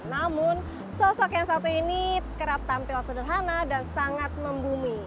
namun sosok yang satu ini kerap tampil sederhana dan sangat membumi